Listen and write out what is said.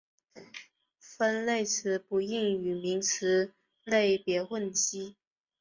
分类词不应与名词类别混淆。